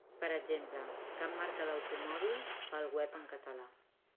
Per exemple, cap marca d'automòbils fa el web en català.